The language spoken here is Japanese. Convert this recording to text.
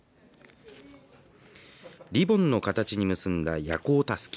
リボンの形に結んだ夜光たすき。